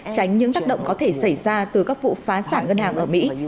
tránh những tác động có thể xảy ra từ các vụ phá sản ngân hàng ở mỹ